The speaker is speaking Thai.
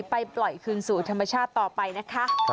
ไปปล่อยคืนสู่ธรรมชาติต่อไปนะคะ